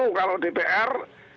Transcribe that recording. ini merupakan lembaga